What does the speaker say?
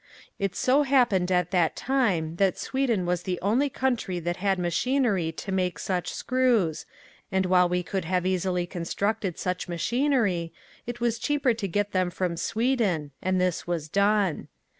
It so happened at that time that Sweden was the only country that had machinery to make such screws, and while we could have easily constructed such machinery, it was cheaper to get them from Sweden and this was done.